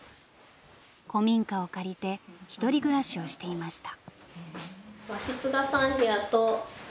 古民家を借りて１人暮らしをしていました。